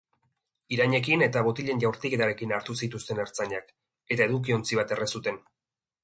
Irainekin eta botilen jaurtiketarekin hartu zituzten ertzainak, eta edukiontzi bat erre zuten.